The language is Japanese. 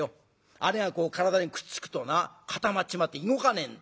あれが体にくっつくとな固まっちまって動かねえんだ。